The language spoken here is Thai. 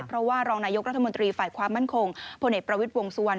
เพราะว่ารองนายกรัฐมนตรีฝ่ายความมั่นคงพลเอกประวิทย์วงสุวรรณ